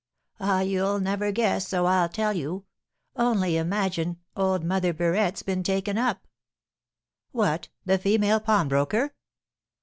Ah, you'll never guess, so I'll tell you. Only imagine, old Mother Burette's being taken up!" "What, the female pawnbroker?"